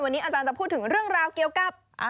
วันนี้อาจารย์จะพูดถึงเรื่องราวเกี่ยวกับ